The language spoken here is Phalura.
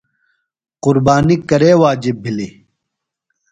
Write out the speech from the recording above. قُربانی کرے واجب بِھلیۡ ؟